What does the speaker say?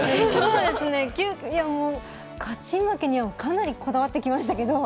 そうですね、勝ち負けにはかなりこだわってきましたけども。